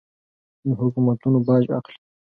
له حکومتونو باج اخلي.